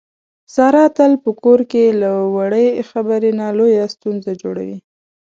ساره تل په کور کې له وړې خبرې نه لویه ستونزه جوړي.